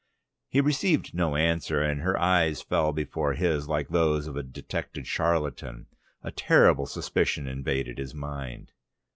He received no answer, and her eyes fell before his like those of a detected charlatan. A terrible suspicion invaded his mind.